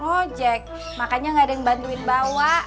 oh jack makanya gak ada yang bantuin bawa